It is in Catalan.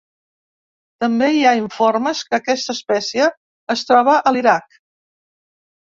També hi ha informes que aquesta espècie es troba a l'Iraq.